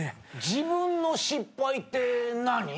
自分の失敗って何？